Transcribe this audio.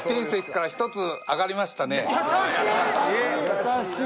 優しい！